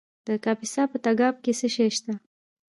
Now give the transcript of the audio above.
د کاپیسا په تګاب کې څه شی شته؟